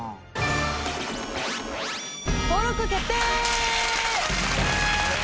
登録決定！